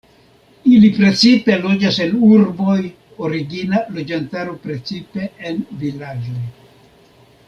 Ili precipe loĝas en urboj, origina loĝantaro precipe en vilaĝoj.